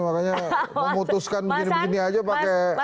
makanya mau utuskan begini begini aja pakai rakernas